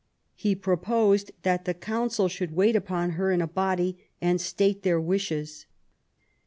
He proposed that the Council should wait upon her in a body and state their wishes.